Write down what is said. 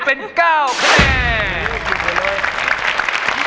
เป็น๙แค่นี้